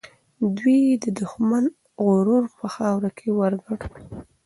دوی د دښمن غرور په خاوره کې ورګډ کړ.